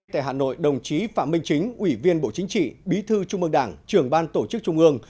tại hà nội đồng chí phạm minh chính ủy viên bộ chính trị bí thư trung ương đảng trưởng ban tổ chức trung ương